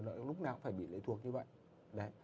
lợi lúc nào cũng phải bị lệ thuộc như vậy